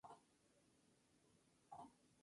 El último tiempo colaboró con el diario "Alfil".